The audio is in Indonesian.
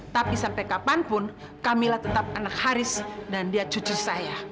tapi sampai kapanpun camillah tetap anak haris dan dia cucu saya